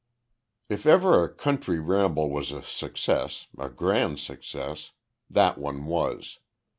If ever a country ramble was a success, a grand success, that one was.